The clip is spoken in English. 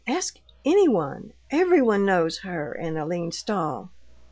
Ask anyone! Everyone knows her and Aline Stahl."